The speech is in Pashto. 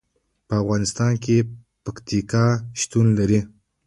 په افغانستان کې پکتیکا شتون لري.